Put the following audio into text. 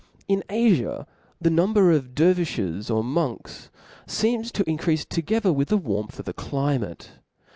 In Afia the number of dervifes or monks feertiS to increafe together with the warmth of the cli mate.